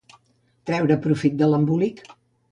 Treure profit de l'embolic.